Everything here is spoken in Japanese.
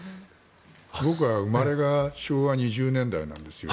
僕は生まれが昭和２０年代なんですよ。